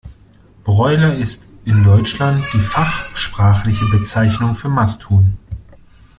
Broiler ist in Deutschland die fachsprachliche Bezeichnung für Masthuhn.